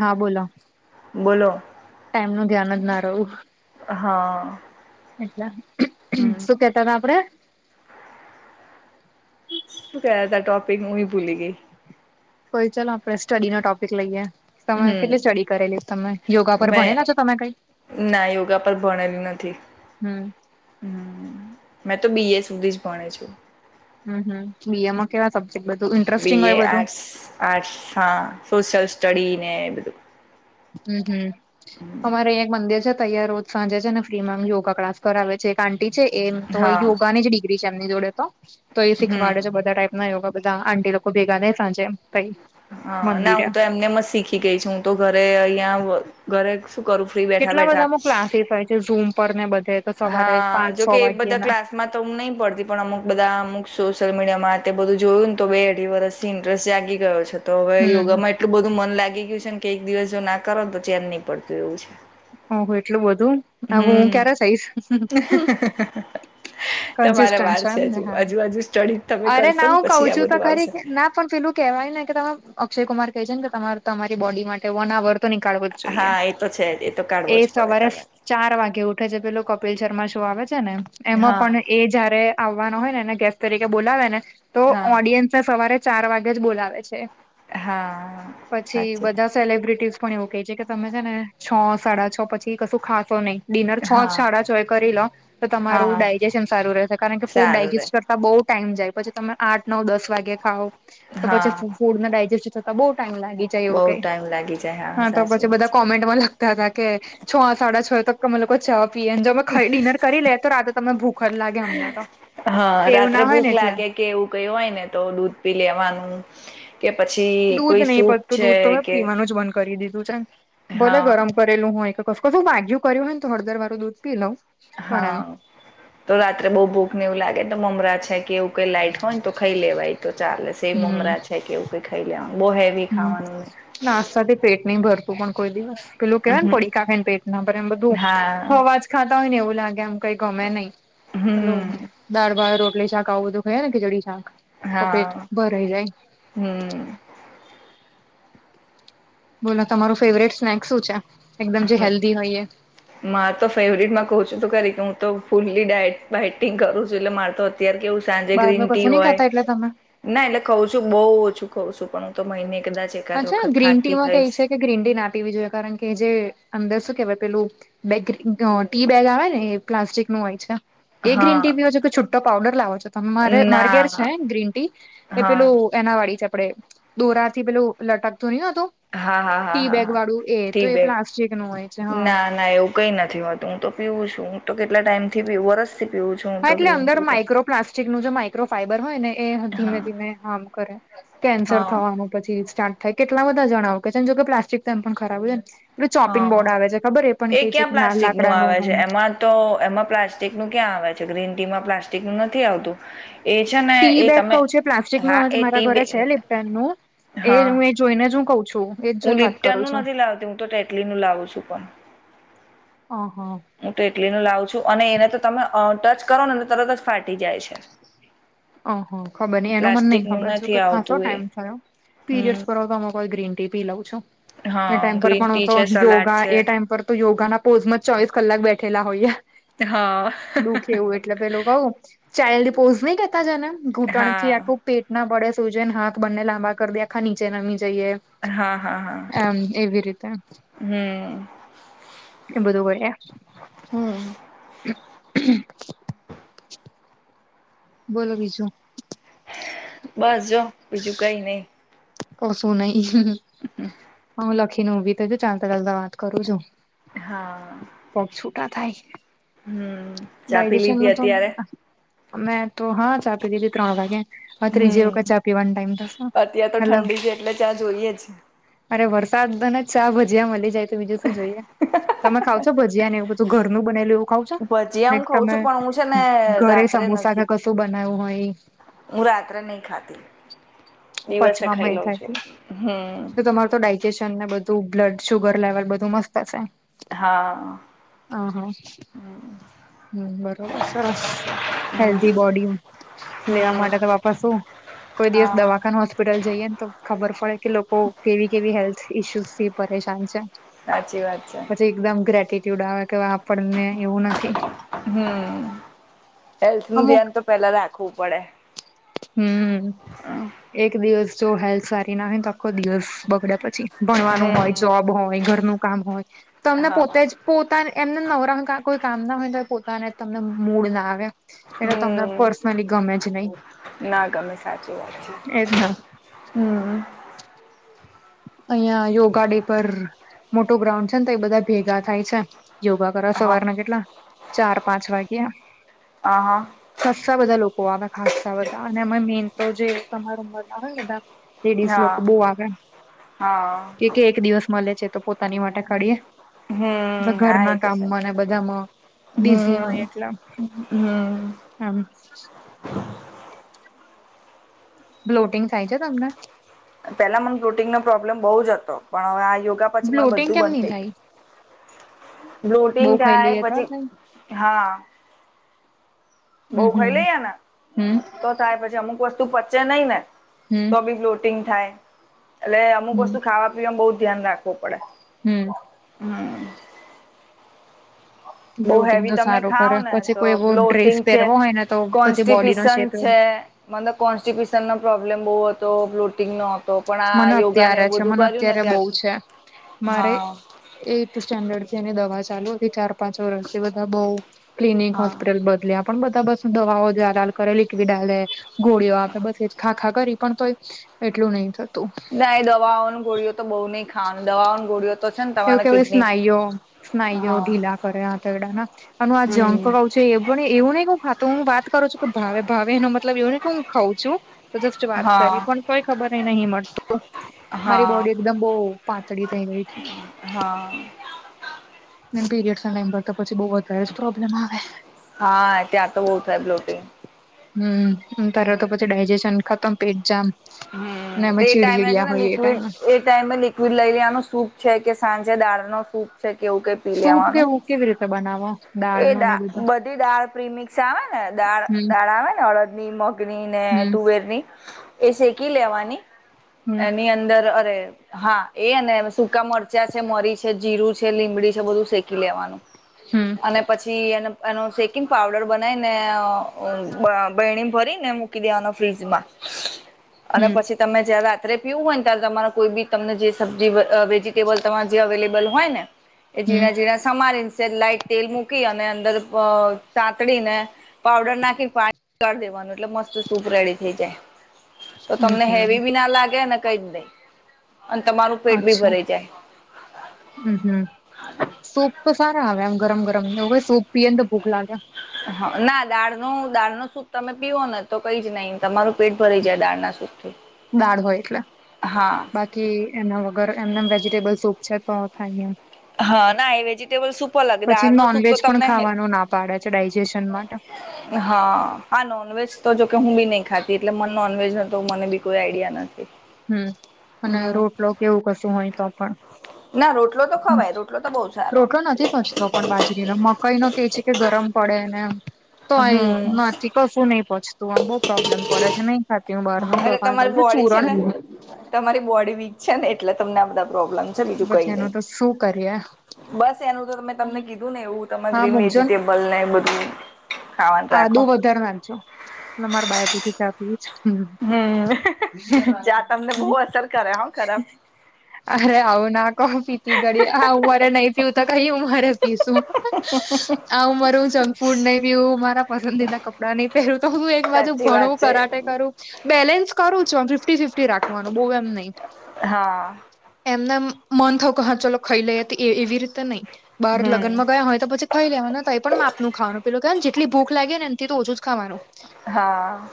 હા બોલો બોલો ટાઈમ ન ધ્યાન જ ના રહવુ હા એટલા હમ શું કેતા હતા આપડે શું ક ટોપિક હુંહી, ભૂલી ગઈ. કોઈ ચાલ આપણે સ્ટડી ના ટોપિક લઈએ. તમે કેટલી હમ સ્ટડી કરેલીશ તમે યોગા પર મેં ભણેલા છો, તમે કઈ ના યોગા પર ભણેલું નથી. હમ્મ હ મેં તો બી એ સુધી જ ભણે છુ. હમ બી એમાં કેવા સબ્જેક્ટ બધું ઇન્ટરેસ્ટિંગ હોય બધુ આર્ટ હા સોશલ સ્ટડી બધુ હમ્મ હમ્મ અમારે અહીં એક મંદિર છે, તૈં રોજ સાંજે છે ને ફ્રી માં યોગા ક્લાસ કરાવે છે. આંટી છે એમ તો હા યોગાની જ ડિગ્રી છે, એમની જોડે તો એ હમ શીખવાડે છે બધા ટાઈપ નાહી ઓગા બધા આંટી લોકો ભેગા રહે સાંજે કઈ હા ના મંદિરે હું તો એમનેમ શીખી ગઈ છુ, હું તો ઘરે અહિયાં ઘરે શું કરુ કેટલા બધામાં ક્લાસીસ હોય છે, ઝૂમ પર ને બધે તો સવારે હા પાંચ છ જોકે એ વાગ્યે બધા ના ક્લાસ માં તો હું નહીં પડતી પણ અમુક બધા અમુક સોશિયલ મીડિયા માં તે બધું જોયું ને તો બે અઢી વર્સ ઇન્ટરેસ્ટ જાગી ગયો છે. તો હવે હમ યોગામાં એટલું બધું મન લાગી ગયું છે, કે એક દિવસ જો ના કરો તો ચેન નહીં પડતું એવુ છે. ઓહો એટલું બધું આ હું હમ ક્યારે થઈશ તમારે કોન્સિસ્ટન વાર છે હજુ એમને હા હજુ હજુ એમને સ્ટડી તમે હા અરે કરશો ના ને હું પછી કઉ આ છુ, તો બધું ખરી આવશે કે ના પણ પેલું કેવાય ને કે ત અક્ષય કુમાર કહે છેને, કે તમારે તમારી બોડી માટે વન આવર તો નીકળવો હા એ તો છેજ એ સવારે ચાર વાગે ઉઠે છે, પેલો કપિલ શર્મા શો આવે છે ને એમાં હા પણ એ જયારે આવવાનો હોય, નેને ગેસ્ટ તરીકે બોલાવે ને તો હા ઓડિયન્સને સવારે ચાર વાગે જ બોલાવે છે, હા પછી સાચી બધા સેલબ્રિટી પણ એવું કહે છે કે તમે છેને, છ સાડા છ પછી કશું ખાશો નહી. ડિનર છો હા છાડા છો, એ કરી લો તો હા તમારું ડાયજેશન સારું રહેશે કારણ કે ફૂડ સારું રે ડાયજસ્ટ બઉ ટાઈમ જાય પછી તમે આઠ નવ દસ વાગે ખાઓ તો હા પછી ફૂડ ડાયજેેશન થતા, બઉ ટાઈમ લાગી જાય એવું બહુ કઈ ટાઈમ લાગી જાય હા તો સાચી પછી વાત બધા છે કોમેન્ટમાં લખતા હતા કે છો સાડા છો તો અમે લોકો ચા પીએને જો અમે ડિનર કરી લે તો રાતે તમને ભૂખ જ લાગે અમને તો હા ટેવ રાત્રે ના હોય ભૂખ ને એટલે લાગે કે એવું કયું હોય ને તો દૂધ પી લેવાનું કે પછી દૂધ કોઈ નહીં સૂપ પતું છે દૂધ તો મેં કે પીવાનું જ બંધ કરી દીધું છે ભલે હા ગરમ કરેલું હોય કે કશું વાગ્યું કર્યું હોય ને તો હળદર વાળું દૂધ પી લઉં પણ એમ હા તો રાત્રે બહુ ભૂખ ને એવું લાગે તો મમરા છે કે એવું કઈ લાઈટ હોય ને તો ખાઈ લેવાય તો ચાલે સેવ મમરા છે કે એવું કઈ ખાઈ લેવાનું બૌ હે હમ્મ નાસ્તા તે પેટ નહી ભર પણ કોઈ દિવસ પેલું કેવાને પડી હમ્મ કાખેને પેટ ના ભરે એમ બધું હા હવાજ ખાતા હોય ને એવું લાગે એમ કઈ ગમે નહી પેલુ હમ દાળ ભાત રોટલી શાક આવું બધું ખાઈએ ને ખીચડી શાક તો પેટ હા ભરાઈ જાય હમ્મ બોલો તમારું ફેવરેટ સ્નેક શું છે એકદમ જે હેલ્ધી હોયએ મારે તો ફેવરિટમાં કહું છું તો ખરી કે હું તો ફુલ્લી ડાયટ ડાયટિંગ કરું છું એટલે મારે તો અત્યારે કેવું સાંજે બહાર ન ગ્રીન ટી કશું નહી હોય ખાતા એટલે તમે ના એટલે ખઉં છું બહુ ઓછું ખઉં છું પણ હું તો મહિને કદાચ એકાદ અચ્છા વખત ગ્રીન ટી ખાતી માં કે એ હોઈશ. છે કે ગ્રીન ટી ના પીવી જોઈએ કારણ કે જે અંદર શું કેહેવાય પેલું બેગ ટી બેગ આવે ને એ પ્લાસ્ટિક નું હોય છે. એ ગ્રીન હા ટી પીવો છો કે છૂટો પાવડર લાવો છો તમે મારે મારે ઘેર ના છે ગ્રીન ટી એ હા પેલું એના વાળી છે આપડે દોરાથી પેલું લટકતું નહી હતું હા હા હા હા ટીબેગ હા વાળું એ તો ટી એ પ્લાસ્ટિક નું હોય છે હા કંઈ નથી હોતું હું તો પીઉું છું હું તો કેટલા ટાઈમથી પીઉ વરસ થી પીવું છું હું હા તો એટલે ગ્રીન અંદર ટી તો માઈક્રો પ્લાસ્ટિક ન જે માઈક્રો ફાઈબર હોય ને એ ધીમે હા ધીમે હાર્મ કરે કેન્સર હા થવાનું પછી સ્ટાર્ટ થાય કેટલા બધા જણાવ કે છે જો કે પ્લાસ્ટિક તો એમ પણ ખરાબ હોય ને પેલું ચોપિંગ હા બોર્ડ આવે છે ખબર એ પણ કઈ છે ક્યાં કે નાલ પ્લાસ્ટિક નું આવે છે લાકડાનું એમાં તો એમાં પ્લાસ્ટિક નું ક્યાં આવે છે ગ્રીન ટીમાં પ્લાસ્ટિક નું નથી આવતું એ છે ને ટી એ બેગ તમે કઉ છું એ પ્લાસ્ટિક નું હા આવે એ મારા ટી ઘરે બેગ છે લિપ્ટનનું એ જ હા હું એ જોઈને જ હું કહું છું એજ હું જોઈને વાત લિપ્ટન કરું નું છું નથી લાવતી હું તો ટેટલી નું લાવું છું પણ અહ હું તો એટલીને લાવું છું અને એને તો તમે ટચ કરો નેને તરત જ ફાટી જાય છે. ઓહ ખબર નઈ એનું મને નઈ પ્લાસ્ટિકનું ખબર છ નથી કે ખાસો આવતું એ ટાઈમ થયો. પીરિયડ્સ પર લવ હમ તો અમુક વાર ગ્રીન ટી પી લઉં છો? એ હા ટાઈમ પર ગ્રીન પણ હું ટી તો છે યોગ સલાડ છે એ ટાઈમ પર તો યોગાના પોઝ માં ચોવીસ કલાક બેઠેલા હોય એ, હા દુઃખ એવું એટલે પેલું કહઉ ચાઇલ્ડ પોઝ નહી કેતા જે ને હા ઘૂંટણ થી આખું હા પેટ ના પડે સુુંજે ને હાથ બંને લાંબા કરી દેયે. આખા નીચે નમી જઈએ હા હા એમ એવી રીતે હમ કેમ બધુ કોળ્યા હમ બોલો બીજું બસ જો બીજું કઈ નઈ ક શું નઈ [unintelligible] હું લખીને ઊભી થઇ જો ચાલતા ચાલતા વાત કરું છું. હા પગ છૂટા થાય. હમ ચા પી ડાયજેશન ન લીધી તો અત્યારે. મેં તો હા ચાપી દીધી ત્રણ વાગે. હવે ત્રીજી વખત ચા પીવાન ટાઈમ થશે. અત્યાર તો મતલબ ઠંડી છે એટલે ચા જોઈએ જ અરે વરસાદને ચા ભજીયા મળી જાય તો બીજું શું જોઈએ. તમે ખાવ છો ભજી જ્યાં ને એવુ બધુ ઘરનું બનેલું એવું ખાવ છો? જ્યાં લાઈક હું ખઉં તમે છું પણ હું છે ને ઘરે રાત્રે સમોસા કે નથી. કશું બનાવ્યું હોય હું રાત્રે નહી ખાતી દિવસે પચવામાં એ ખાઈલો છું થાય હમ. તો તમારું તો ડાયજેશન ને બધું બ્લડ, સુુગર લેવલ બધું મસ્ત હશે.. હા. હ હા હમ બરોબર સરસ. હેલ્ધી બોડી લેવા માટે હમ્મ. તો વાપર શું. કોઈ દિવસ હા દવાખાન હોસ્ હોસ્પિટલ જઈએ ને તો ખબર પડે કે લોકો કેવી કેવી હેલ્થ ઇસ્યુઝ થી પરેશાન છે. સાચી વાત છે. પછી એકદમ ગ્રેટટ્યુડ આવે કે આપણને એવું નથી. હમ. હેલ્થ નું અમુક ધ્યાન તો પેલા રાખવું પડે. હમ. એક દિવસ જો હેલ્થ સારી ના હોય તો આખો દિવસ બગડેયા પછી, ભણવાનું હોય હમ્મ. જોબ હોય ઘરનું કામ હોય તમને હા. પોતે જ પોતા એમને નવરાણ કઈ કામ ના હોય તો પોતાને તમને મૂડ ના આવે. એલે તમને હમ્મ પર્સનલી ગમે જ નહી. ના એજ ના હમ અહંયા યોગા ડે પર મોટો ગ્રાઉન્ડ છે ને તો એ બધા ભેગા થાય છે. યોગા કર હા સવારના કેટલા ચાર-પાંચ વાગ્યા. આ હા. ખસ્સા બધા લોકો આવે ખસ્સા બધા અને અમે મેન તો જે તમારા ઉંમરના હોય બધા લેડીસ હા લોકો બો આગળ હા. કે કે એક દિવસ મળે છે, તો પોતાની માટે કાડીએે. હમ્મ હા એ ઘરના તો છે કામમાં મને બધામાં બિઝી હોય એટલા. હમ. આમ. બ્લોટિંગ થાય છે તમને? પેલા મને પ્રુટીનનો પ્રોબ્લેમ બહુ જ હતો, પણ હવે આ યોગા પછી મને બ્લોટિંગ બધું કેમ બંધ નહી થઈ ગયું. થાય બહુ બ્લોટિંગ ખાઈ થાય લઈએ તો પછી થાય હા બહુ હમ ખાઈ હમ લઈએ ને હમ તો થાય પછી અમુક વસ્તુ પચે નઈ ને. હમ તો બી ફ્લોટિંગ થાય. એટલે અમુક હમ વસ્તુ ખાવા પીવાવામાં બહ ધ્યાન રાખવું પડે હમ હમ. બઉ બ્લોટિંગ હેવી તો તમે સારું ખાાવ કરે ને પછી તો કોઈ એવો ડ્રેસ બ્લોટિંગ છે પહેરવો હોય ને તો પછી બોડીનો કોન્સ્ટિપિસન શેપ છે. મલબ કોન્સ્ટીબ્યશન નનો પ્રોબ્લેમ બહુ હતો ફ્લોટિંગ નો. તો પણ આ મને યોગા ને અત્યારે એવું છે બધું મને કર્યું ને અત્યારે ત્યારથી હા. એ સ્ટેન્ડર્ડ થી એ દવા ચાલુ હતી ચાર પાંચ વર્ષથી બધા બઉ ક્લિનિક હા હોસ્પિટલ બદલે આપ પણ બધા પાસુ દવાઓ જ કરે લિક્વિડ હ. ગોળીઓ આપે બસ એજ ખાખા કરી પણ તોય એટલું નહી. થતું ના દવાઓનું ગોળીઓ તો બહુ નહીિ ખાવાનું દવાઓનું ગોળીઓ તો છે ને એવું તમારા કેવાય કિડની સ્નાયુઓ સ્નાયુઓ હા ઢીલા કરે હતા એ અને આ જંક હમ કઉ. એવું નને કેું ખાતું હું વાત કરું છું કે ભાવે ભાવે એનો મતલબ એવુંને કે હું ખઉં છું. તોધ વાત કરી હા પણ કોઈ ખબર ન. ત મારી હા બોડી એકદમ બહ પાતળી થઈ ગઈ છે? હા. પીરિડ ના ટાઈમ પર તો પછી બ પ્રોબ્લેમ આવે. હા ત્યાં તો બહુ થાય બ્લોટિંગ હમ ત્યારે તો હમ પછી ડાયજેશન ખતમ પેટ જામ. અને હમ અમે તે એ ટાઈમે છે ચીડચીડિયા ને હોઈએ એ લિક્વિડ ટાઈમે એ ટાઈ લિક્વિડ લઈ લેવાનું સૂપ છે કે સાંજે દાળ નો સૂપ છે કે એવું કઈ. પી સૂપ લેવાનું કેવું કેવી રીતે બનાવો દાળ એ નો ને દા બધો બધી દાળ પ્રિમિક્સ આવે ને દા હમ દાળ આવે ને અળદ ની મગની ને હમ તુવેર ની એ શેકી લેવાની હમ એની અંદર અરે હા એ ને સકા મરચા છે, મરી છે જીરું છે લીમડી છે બધું શેકી લેવાનુ હમ અને પછી એને એનો શેકિંગ પાવડર બનાઈને બહેણી ભરીને મૂકી દેવાનો ફ્રીજમા અને હમ પછી તમે જયારે, રાત્રે પીવું હોય ને ત્યારે તમારે કોઈ બી તમને જે સબ્જી વેજીિટેબલ તમારે જે અવેલેબલ હોય ને એ હમ ઝીણા ઝીણા સમારીને લાઈટ તેલ મૂકી અને અંદર તાતડીને પાવડર નાખી પાણીાઢી દેવાનું એટલે મસ્ત સૂપ રેડી થઈ જાય. તો હમ તમને હેવી હમ બી ના લાગે કઈ જ નઈ અને તમારુ અચ્છા હમ હમ સોપ તો સારા આવે આમ ગરમ ગરમ ને સોપ પીર ભૂખ લાગે. હ ના દાળ ન દાળ નું સૂપ તમે પીો ને તો કઈ જ નહી તમારું પેટ ભરી જાય દાળના સુૂખથી દાળ હોય એટલે હા. એના વગર એમનેમ વેજીિટેબલ સૂપ છે, તો થાયમ હા ના એ વેજીિટેબલ સૂપ અલગ પછી દાળનો નોન સૂપ વજ તો પણ તમને હે ખાવાનું ના પાડે છે ડાયજેશન માટે હા હ નોનવેજ તો જોકે હું બી નહી, ખાતી એટલે મ નોનવેજ ન મને બી કોઈ આઈડિયા ના છે. હમ અને રોટલો કેવું કશું હોય તો પણ ના રોટલો તો ખવાય રોટલો તો બહુ સારો તો પણ બાજરીને મકાઈ ન કે છે કે ગરમ પડે ને તોય હમ નથી. કશું નહીિ પચતું આમ બહુ પ્રોબ્લેમ પડે છે નહી ખાતી હું બહાર ન અરે દાનું તમારી છુ, બોડી છે ચૂરણ ને તમારી બોડી વીક છે ને એટલે તમને આ બધા પ્રોબ્લેમ બીજું કઈ પછી એનું નહી તો શું કરીએ બસ એનું તો તમે તમને કીધું ને એવું તમા હા ગ્રીન મૂકજો વેજીટેબ બલને બદધુ આદું વધારે નાખજો એલે તમારા બાાયપછ ચ હમ ચા તમને બહુ અસર કરે હ ખરાબ અરે આવું ના કહ પી તી ગડી. નહી પીવું તો કઈ હ મારે પીશું આવું માર જંક ફૂડ નહી પીવું મારે પસંદીદા કપડાં નહી પેરું તો હું એક બાજુ સાચી વાત ભણું છે કરાક. એ કરુ બેલેન્સ કરું છું ફિફટી ફિફટી રાખવાનું બહુ એમ નય. હા એમને મન થયુ કે હા ચાલો ખઈ લઈ તો એવી રીતે નહી બહાર હમ લગ્નમાં ગયા હોય તો પછી. ખાઈ લેવાનું તો એ પણ માપનું ખાવાનું પેલું કેને જેટલી ભૂખ લાગી હોયને એન્થી તો ઓછું જ ખાવાનું. હા.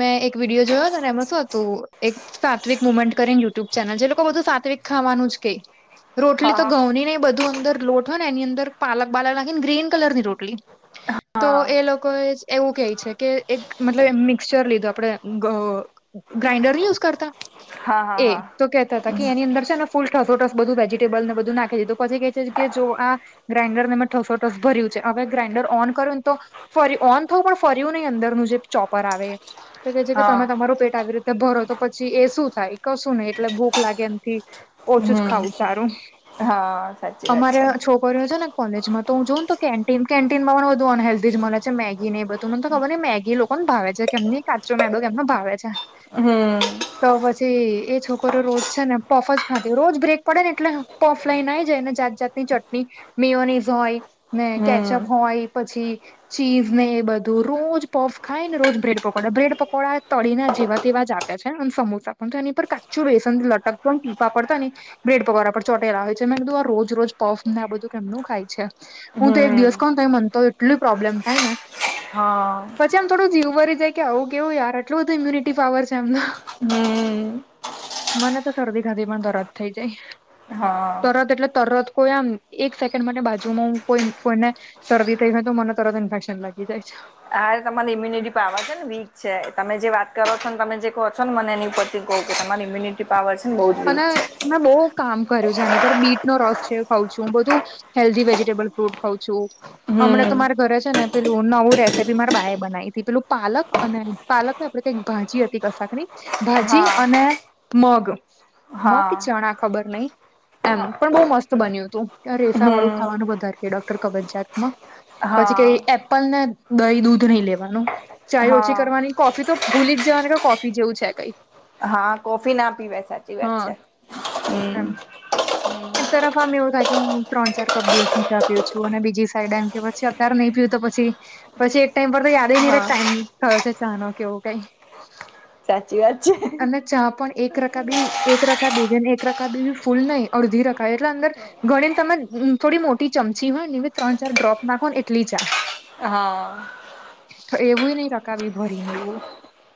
મેં એક વિડીયો જોયો હતો ને એમાં શું હતું એક. સાત્વિક મુમેન્ટ કરીને યુટ્યુબ ચેનલ જે લોકો બધું સાત્વિક ખાવાનું જ કે. રોટલી તો હા ઘઉં ની નહી બધું અંદર લોટ હોય ને એની અંદર પાલક બાલક નાખી ને ગ્રીન કલર ની રોટલી. તો હા એ લોકોએ એવું કહે છે કે એક મતલબ મિક્ચર લીધું આપડણે ઘઉં. ગ્રાઇન્ડર યુઝ કરતા. હા હા એ હા. તો કહેતા હતા કે એની અંદર છે ને ફૂલ ઠસોઠસ બધું વેજજીટેબલ ને બધું નાખી દી પછી છે કે જો આ ગ્રાઇન્ડરને મેં ઠસોઠસ ભર્યું છે હવે ગ્રાઇન્ડર ઓન કરોને તો ફરી ઓન થવું પણ ફર્યું નહી અંદરનું જે ચોપર આવે એ. તો કહે છે કે તમે હા તમારું પેટ આવી રીતે ભરો તો પછી એ શું થાય કશું નહી એટલે ભૂખ લાગે. થી ઓછું જ હમ ખાવું સારું હા સાચી વાત અમાર છે છોક પોઈરો છે ને કોલેજમાં તો હું જોઉ ને તો કેન્ટીન કેન્ટીનમાં પણ વધુ અનહેલ્ધી બીજ મને છે મેગી ને બધું મને ખબર ને મેગી લોકોને ભાવે છે કેમની કાચો મેદો કેમને ભાવે છે? હમ્મ. તો પછી એ છોકરો રોજ છે ને પફ જ ખાતી હો રોજ બ્રેક પડે ને એટલે પફ લઈ આઈ જાય એને જાત જાતની ચટણી મેયોનીઝ હોય. ને હમ કેચઅપ હોય પછી. ચીઝ ને એ બધું રોજ પફ ખાય ને રોજ બ્રેડ પકોડા બ્રેડ પકોડા તળી ના જેવા તેવા જ આવે છે અને સમોસા પણ તો એની પર કાચું બેસન લટકતુ આમ ટીપા પડતા ને. બ્રેડ પકોડા પર ચોટેલા હોય છે મેં કીધું આ રોજ-રોજ પફ ને આ બધું કેમનું ખાય છે. હું તો એક હમ દિવસ ખઉં તોય મન તો એટલ પ્રોબ્લેમ થાય ને. હ. પછી આમ થોડું જીવું બળી જાય કે આવું કેવું યાર આટલ બધું ઇમ્યુનિટી પાવર છે એમનો. હમ્મ. મને તો શરદી ખાથી પણ તરત થઈ જાય. હા તરત એટલે તરત કોઈ આમ એક સેકન્ડ માટે બાજુમાં હું કોઈ કોઈને શરદી થઈ ગઈ તો મને તરત ઇન્ફેક્શન લાગી જાય છે. હા તમારી ઈમ્યુનિટી પાવર છે ને વીક છે તમે જે વાત કરો છો ને તમે જે કહો છો ને મને એની ઉપર હું કહું કે તમારી ઇમ્યુનિટી પાવર છે. ને બહુ જ વીક અને છે મેં બહુ કામ કર્યું છે આની પર બીટ નો રસ છે ખઉ છું હું બધું હેલ્ધી વેજીિટેબલ ફ્રૂટ ખઉં છું હમણાં તો હમ મારે ઘરે છે ને પેલું નવું રેસીપી મારા બાય બનાઇતી પેલું પાલક અને પાલક નઈ આપડે ક્યાંઈક ભાજી હતી કશાકની. ભાજી હા અને મગ મગ હા ચણા ખબર નહી. એમ હા પણ બહુ મસ્ત બન્યું તું રેસા વાળું હમ ખાવાનું વધારે કે ડોક્ટર કબજીયાતમાં પછી હા કઈ એપલ ને દહી દૂધ નહી લેવાનું ચાય ઓછી હા કરવાની કોફી તો ભૂલી જવાની કે કોફી જેવું છે કઈ હા કોફી ના પીવાયે સાચી વાત હા છે એમ હમ. એક તરફ આમ એવું થાય કે હું ત્રણ ચાર કપ દિવસ ની ચા પીવું છું અને બીજી સાઈડ એમ કે પછી અત્યારે નહીં પીયું તો પછી- પછી એક ટાઈમ પર તો યાદ નહિ હા ટાઈમ થયો છે ચા નો કેવું કઈ સાચી વાત છે. જ્યાં પણ એક રકા બી એક રકા બીજને એક રકા બી ફૂલ નહી અડધી રકા એટલે અંદર ગણી ને તમે થોડી મોટી ચમચી હોય ને એ ત્રણ ચાર ડ્રોપ નાખો ને એટલી ચા. હા. તો એવું નહી રકાબી ભરી ને એવું.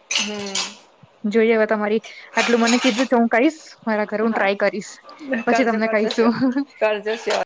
હમ. જોઈ હવે તમારી આટલું મને કીધું તો હું કહીશ મારા ઘરે હું હા ટ્રાય કરીશ પછી કરજો તમને કર દ સ્યો કહીશું કરજો સ્યો